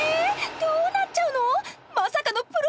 どうなっちゃうの！？